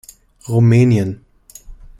Rumänien.